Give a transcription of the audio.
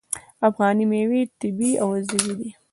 افغاني میوې طبیعي او عضوي دي.